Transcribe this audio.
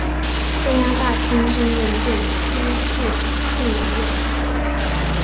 中央大厅正面对出处建有月台。